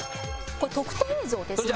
「これ特典映像ですかね」